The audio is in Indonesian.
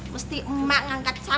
maksudnya emaknya udah berangkat